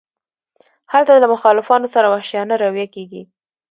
هلته له مخالفانو سره وحشیانه رویه کیږي.